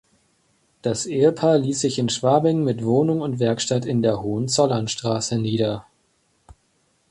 Das Ehepaar ließ sich in Schwabing mit Wohnung und Werkstatt in der Hohenzollernstraße nieder.